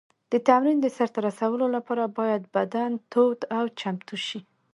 د تمرین د سر ته رسولو لپاره باید بدن تود او چمتو شي.